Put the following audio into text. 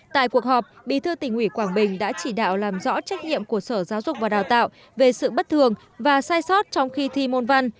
tại cuộc họp bí thư tỉnh ủy quảng bình đã chỉ đạo làm rõ trách nhiệm của sở giáo dục và đào tạo về sự bất thường và sai sót trong khi thi môn văn